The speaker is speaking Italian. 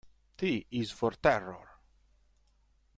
T Is for Terror!".